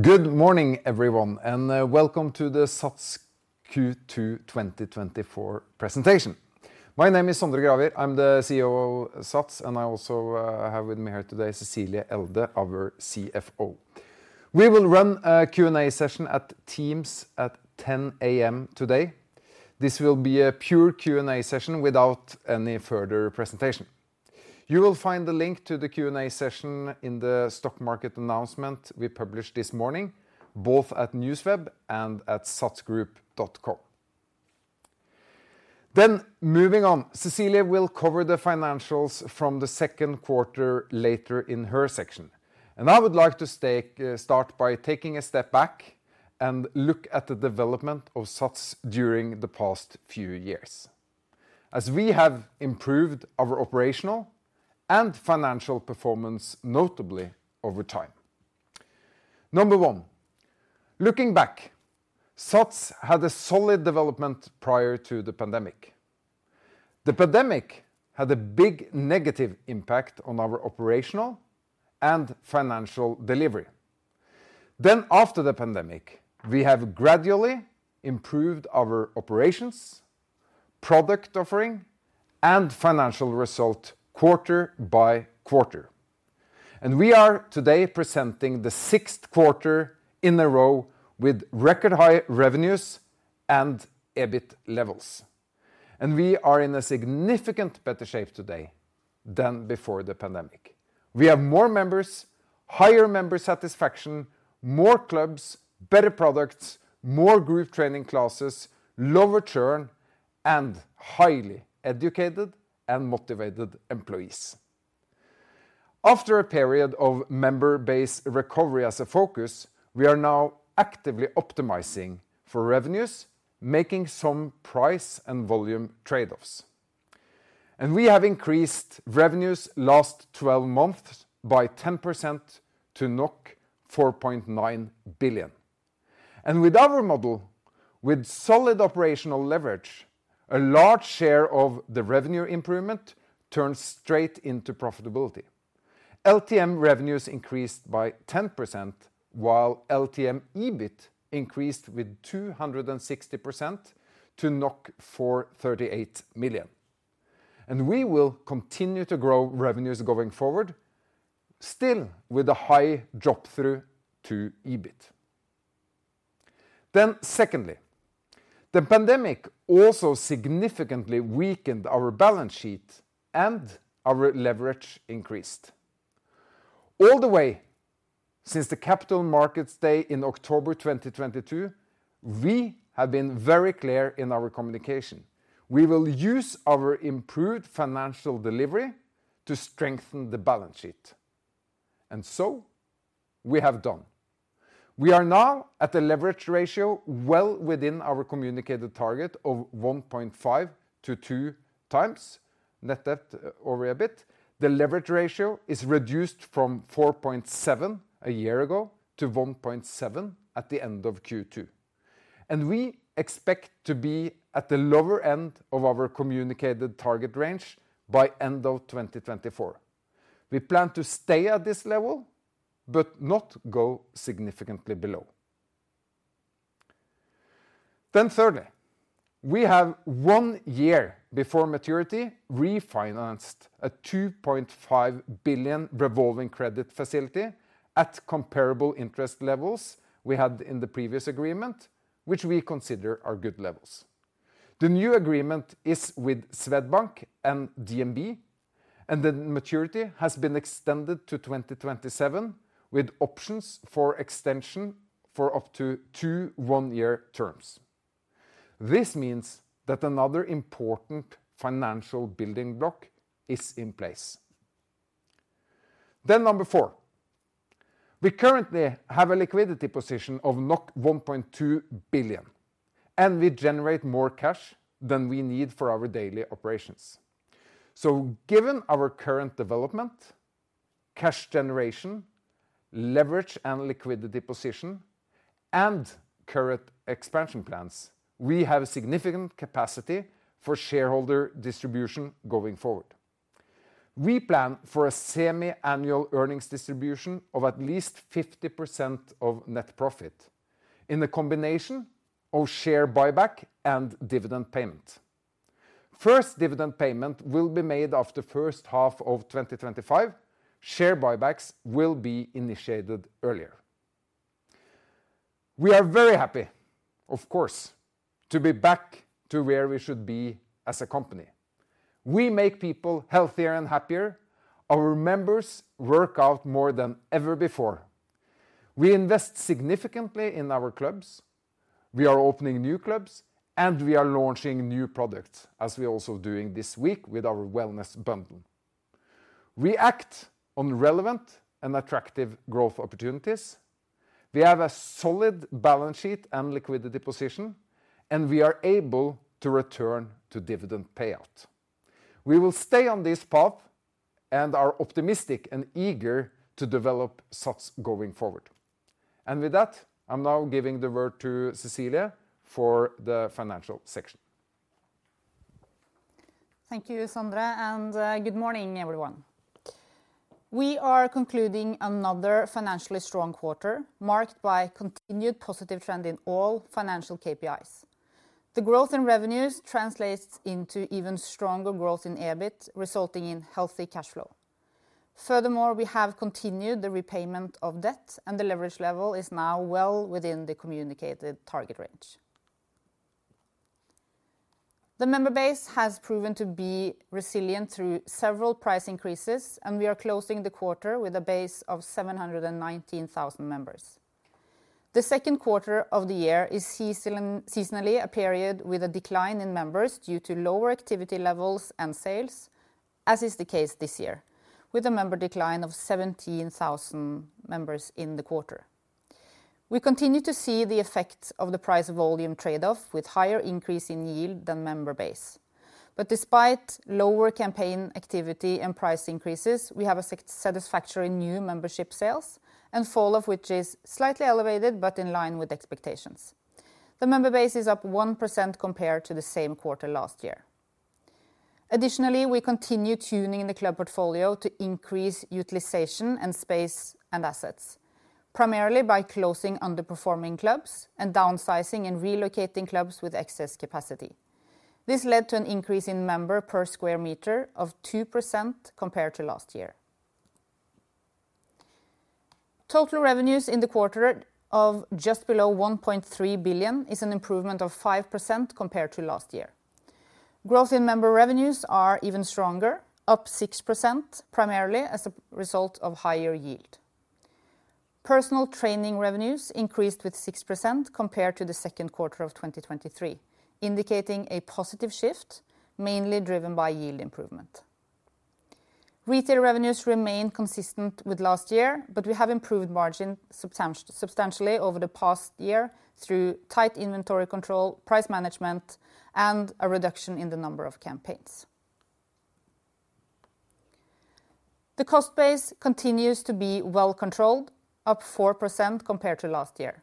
Good morning, everyone, and welcome to the SATS Q2 2024 presentation. My name is Sondre Gravir. I'm the CEO of SATS, and I also have with me here today Cecilie Elde, our CFO. We will run a Q&A session at Teams at 10:00 A.M. today. This will be a pure Q&A session without any further presentation. You will find the link to the Q&A session in the stock market announcement we published this morning, both at Newsweb and at satsgroup.com. Cecilie will cover the financials from the second quarter later in her section, and I would like to start by taking a step back and look at the development of SATS during the past few years, as we have improved our operational and financial performance notably over time. Number one, looking back, SATS had a solid development prior to the pandemic. The pandemic had a big negative impact on our operational and financial delivery. After the pandemic, we have gradually improved our operations, product offering, and financial result quarter by quarter. We are today presenting the sixth quarter in a row with record-high revenues and EBIT levels. We are in a significantly better shape today than before the pandemic. We have more members, higher member satisfaction, more clubs, better products, more group training classes, low churn, and highly educated and motivated employees. After a period of member-base recovery as a focus, we are now actively optimizing for revenues, making some price and volume trade-offs. We have increased revenues last twelve months by 10% to 4.9 billion. With our model, with solid operational leverage, a large share of the revenue improvement turns straight into profitability. LTM revenues increased by 10%, while LTM EBIT increased with 260% to 438 million. And we will continue to grow revenues going forward, still with a high drop-through to EBIT. Then secondly, the pandemic also significantly weakened our balance sheet, and our leverage increased. All the way since the Capital Markets Day in October 2022, we have been very clear in our communication. We will use our improved financial delivery to strengthen the balance sheet, and so we have done. We are now at a leverage ratio well within our communicated target of 1.5 to 2 times net debt over EBIT. The leverage ratio is reduced from 4.7 a year ago to 1.7 at the end of Q2, and we expect to be at the lower end of our communicated target range by end of 2024. We plan to stay at this level, but not go significantly below. Then thirdly, we have one year before maturity refinanced a 2.5 billion revolving credit facility at comparable interest levels we had in the previous agreement, which we consider are good levels. The new agreement is with Swedbank and DNB, and the maturity has been extended to 2027, with options for extension for up to two one-year terms. This means that another important financial building block is in place. Then number four, we currently have a liquidity position of 1.2 billion, and we generate more cash than we need for our daily operations. Given our current development, cash generation, leverage and liquidity position, and current expansion plans, we have a significant capacity for shareholder distribution going forward. We plan for a semi-annual earnings distribution of at least 50% of net profit in the combination of share buyback and dividend payment. First dividend payment will be made after first half of 2025. Share buybacks will be initiated earlier. We are very happy, of course, to be back to where we should be as a company. We make people healthier and happier. Our members work out more than ever before. We invest significantly in our clubs. We are opening new clubs, and we are launching new products, as we are also doing this week with our Wellness bundle. We act on relevant and attractive growth opportunities. We have a solid balance sheet and liquidity position, and we are able to return to dividend payout. We will stay on this path and are optimistic and eager to develop SATS going forward. And with that, I'm now giving the word to Cecilie for the financial section. Thank you, Sondre, and good morning, everyone. We are concluding another financially strong quarter, marked by continued positive trend in all financial KPIs. The growth in revenues translates into even stronger growth in EBIT, resulting in healthy cash flow. Furthermore, we have continued the repayment of debt, and the leverage level is now well within the communicated target range. The member base has proven to be resilient through several price increases, and we are closing the quarter with a base of 719,000 members. The second quarter of the year is seasonally a period with a decline in members due to lower activity levels and sales, as is the case this year, with a member decline of 17,000 members in the quarter. We continue to see the effects of the price volume trade-off, with higher increase in yield than member base. But despite lower campaign activity and price increases, we have a satisfactory new membership sales and fall-off, which is slightly elevated but in line with expectations. The member base is up 1% compared to the same quarter last year. Additionally, we continue tuning the club portfolio to increase utilization and space and assets, primarily by closing underperforming clubs and downsizing and relocating clubs with excess capacity. This led to an increase in member per square meter of 2% compared to last year. Total revenues in the quarter of just below 1.3 billion is an improvement of 5% compared to last year. Growth in member revenues are even stronger, up 6%, primarily as a result of higher yield. Personal training revenues increased with 6% compared to the second quarter of 2023, indicating a positive shift, mainly driven by yield improvement. Retail revenues remain consistent with last year, but we have improved margin substantially over the past year through tight inventory control, price management, and a reduction in the number of campaigns. The cost base continues to be well controlled, up 4% compared to last year.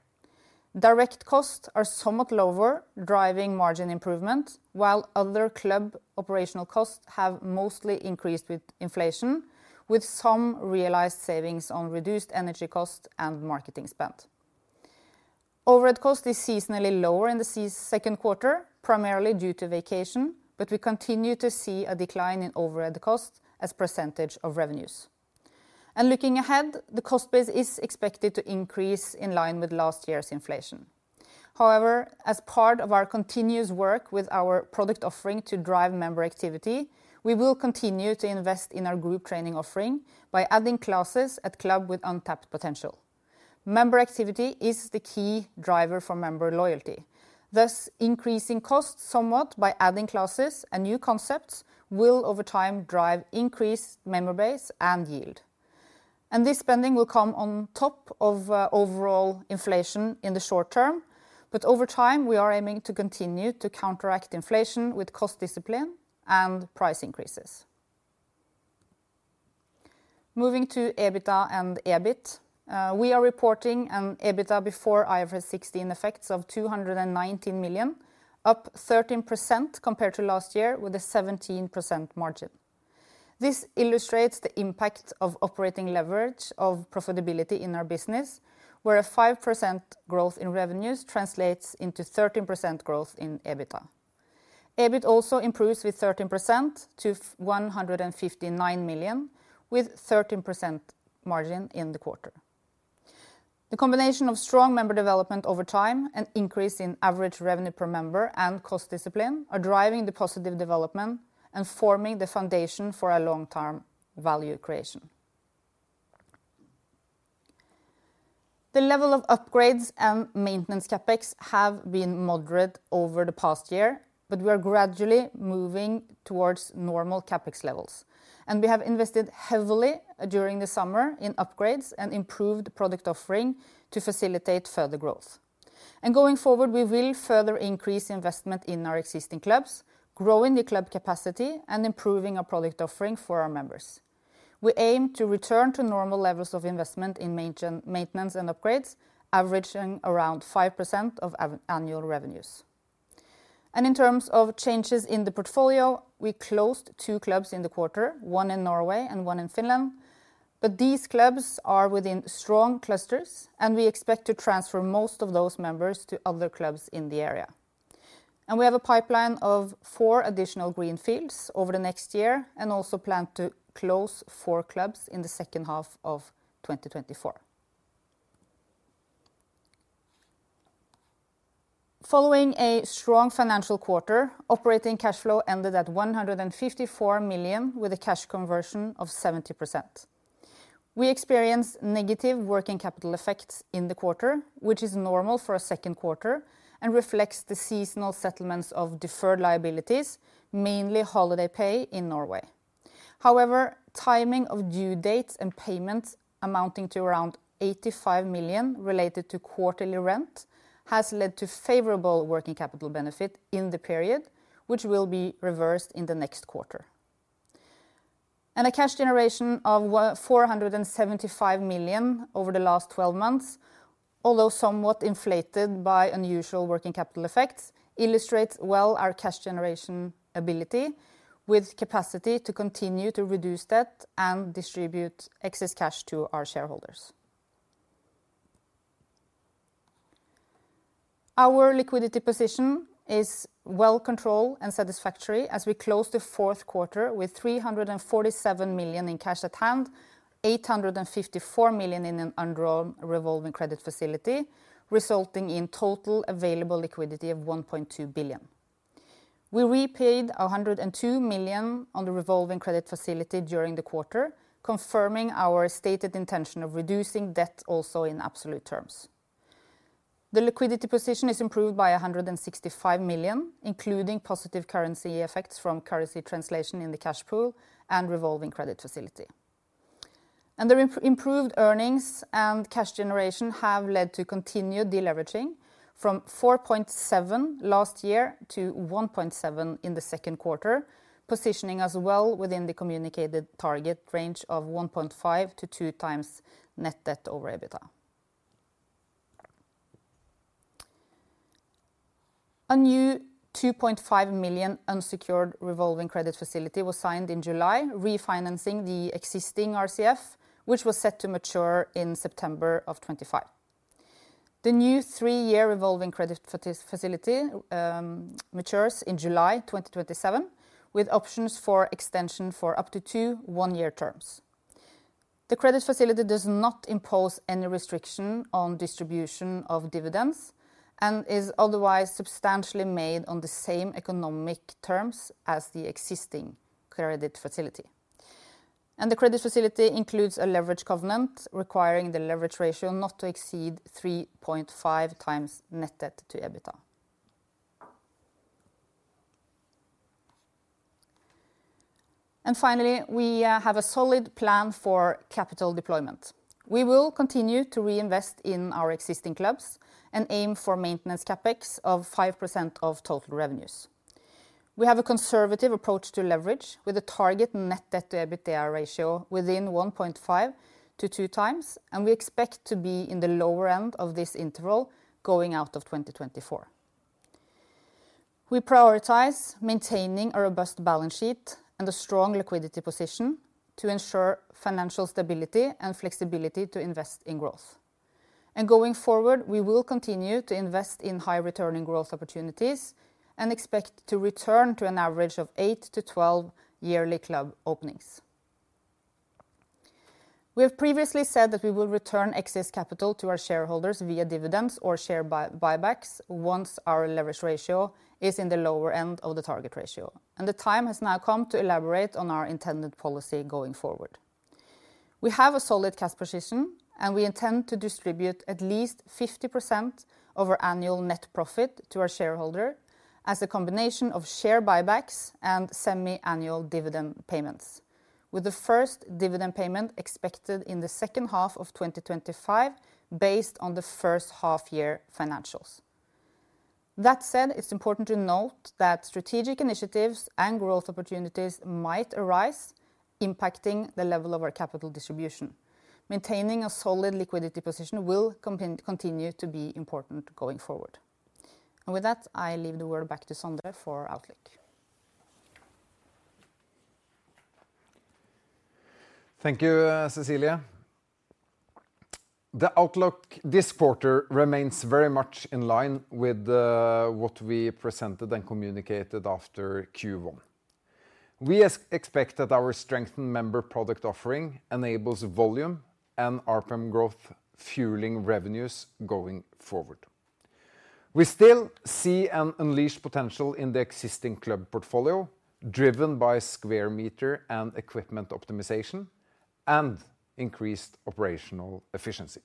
Direct costs are somewhat lower, driving margin improvement, while other club operational costs have mostly increased with inflation, with some realized savings on reduced energy costs and marketing spend. Overhead cost is seasonally lower in the second quarter, primarily due to vacation, but we continue to see a decline in overhead cost as percentage of revenues. Looking ahead, the cost base is expected to increase in line with last year's inflation. However, as part of our continuous work with our product offering to drive member activity, we will continue to invest in our group training offering by adding classes at clubs with untapped potential. Member activity is the key driver for member loyalty. Thus, increasing costs somewhat by adding classes and new concepts will, over time, drive increased member base and yield. And this spending will come on top of overall inflation in the short term, but over time, we are aiming to continue to counteract inflation with cost discipline and price increases. Moving to EBITDA and EBIT, we are reporting an EBITDA before IFRS 16 effects of 219 million, up 13% compared to last year with a 17% margin. This illustrates the impact of operating leverage of profitability in our business, where a 5% growth in revenues translates into 13% growth in EBITDA. EBIT also improves with 13% to 159 million, with 13% margin in the quarter. The combination of strong member development over time and increase in average revenue per member and cost discipline are driving the positive development and forming the foundation for a long-term value creation. The level of upgrades and maintenance CapEx have been moderate over the past year, but we are gradually moving towards normal CapEx levels. And we have invested heavily during the summer in upgrades and improved product offering to facilitate further growth. And going forward, we will further increase investment in our existing clubs, growing the club capacity and improving our product offering for our members. We aim to return to normal levels of investment in maintenance and upgrades, averaging around 5% of annual revenues. And in terms of changes in the portfolio, we closed two clubs in the quarter, one in Norway and one in Finland, but these clubs are within strong clusters, and we expect to transfer most of those members to other clubs in the area. And we have a pipeline of four additional greenfields over the next year, and also plan to close four clubs in the second half of 2024. Following a strong financial quarter, operating cash flow ended at 154 million, with a cash conversion of 70%. We experienced negative working capital effects in the quarter, which is normal for a second quarter and reflects the seasonal settlements of deferred liabilities, mainly holiday pay in Norway. However, timing of due dates and payments amounting to around 85 million related to quarterly rent has led to favorable working capital benefit in the period, which will be reversed in the next quarter. And a cash generation of 475 million over the last twelve months, although somewhat inflated by unusual working capital effects, illustrates well our cash generation ability, with capacity to continue to reduce debt and distribute excess cash to our shareholders. Our liquidity position is well controlled and satisfactory as we close the fourth quarter with 347 million in cash at hand, 854 million in an undrawn revolving credit facility, resulting in total available liquidity of 1.2 billion. We repaid 102 million on the revolving credit facility during the quarter, confirming our stated intention of reducing debt also in absolute terms. The liquidity position is improved by 165 million, including positive currency effects from currency translation in the cash pool and revolving credit facility. Improved earnings and cash generation have led to continued deleveraging from 4.7 last year to 1.7 in the second quarter, positioning us well within the communicated target range of 1.5 to 2 times net debt over EBITDA. A new 2.5 million unsecured revolving credit facility was signed in July, refinancing the existing RCF, which was set to mature in September of 2025. The new three-year revolving credit facility matures in July 2027, with options for extension for up to two one-year terms. The credit facility does not impose any restriction on distribution of dividends and is otherwise substantially made on the same economic terms as the existing credit facility. The credit facility includes a leverage covenant requiring the leverage ratio not to exceed 3.5 times net debt to EBITDA. Finally, we have a solid plan for capital deployment. We will continue to reinvest in our existing clubs and aim for maintenance CapEx of 5% of total revenues. We have a conservative approach to leverage, with a target net debt to EBITDA ratio within 1.5-2 times, and we expect to be in the lower end of this interval going out of 2024. We prioritize maintaining a robust balance sheet and a strong liquidity position to ensure financial stability and flexibility to invest in growth. Going forward, we will continue to invest in high-returning growth opportunities and expect to return to an average of 8-12 yearly club openings. We have previously said that we will return excess capital to our shareholders via dividends or share buybacks once our leverage ratio is in the lower end of the target ratio, and the time has now come to elaborate on our intended policy going forward. We have a solid cash position, and we intend to distribute at least 50% of our annual net profit to our shareholder as a combination of share buybacks and semi-annual dividend payments, with the first dividend payment expected in the second half of 2025, based on the first half-year financials. That said, it's important to note that strategic initiatives and growth opportunities might arise, impacting the level of our capital distribution. Maintaining a solid liquidity position will continue to be important going forward. And with that, I leave the word back to Sondre for our outlook. Thank you, Cecilie. The outlook this quarter remains very much in line with what we presented and communicated after Q1. We expect that our strengthened member product offering enables volume and RPM growth, fueling revenues going forward. We still see an unleashed potential in the existing club portfolio, driven by square meter and equipment optimization and increased operational efficiency,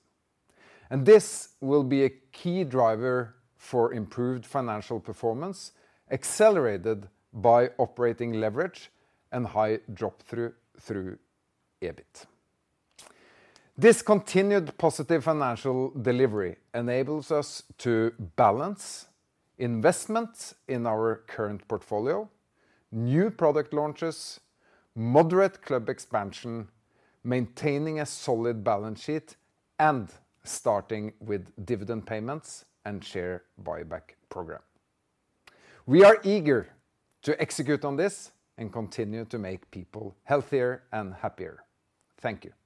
and this will be a key driver for improved financial performance, accelerated by operating leverage and high drop-through through EBIT. This continued positive financial delivery enables us to balance investments in our current portfolio, new product launches, moderate club expansion, maintaining a solid balance sheet, and starting with dividend payments and share buyback program. We are eager to execute on this and continue to make people healthier and happier. Thank you.